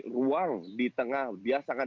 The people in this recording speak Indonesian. ruang di tengah dia sangat